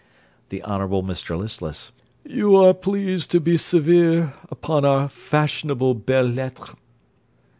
THE HONOURABLE MR LISTLESS You are pleased to be severe upon our fashionable belles lettres.